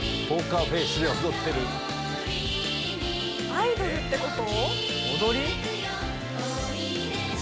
アイドルってこと？